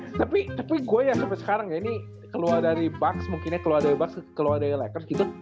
eh tapi tapi gua yang sampe sekarang ya ini keluar dari bucks mungkinnya keluar dari bucks keluar dari lekers gitu